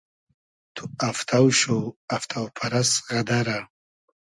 تو افتۆ شو , افتۆ پئرئس غئدئرۂ